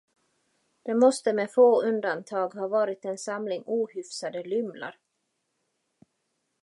De måste med få undantag ha varit en samling ohyfsade lymlar.